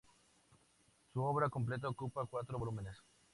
Su obra completa ocupa cuatro volúmenes.